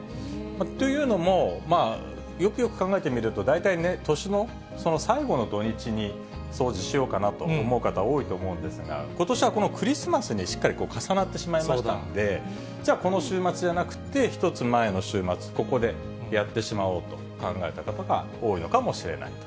というのも、よくよく考えてみると、大体、年の最後の土日に掃除しようかなと思う方、多いと思うんですが、ことしはこのクリスマスにしっかりと重なってしまいましたので、じゃあ、この週末じゃなくて、１つ前の週末、ここでやってしまおうと考えた方が多いのかもしれないと。